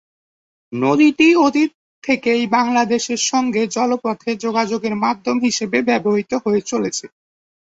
নদীটি অতীত থেকেই বাংলাদেশের সঙ্গে জলপথে যোগাযোগের মধ্যম হিসাবে ব্যবহৃত হয়ে চলেছে।